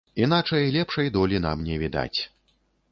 Іначай лепшай долі нам не відаць.